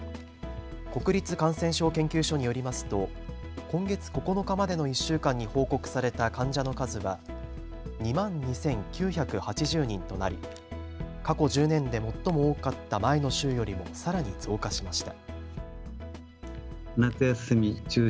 国立感染症研究所によりますと今月９日までの１週間に報告された患者の数は２万２９８０人となり過去１０年で最も多かった前の週よりもさらに増加しました。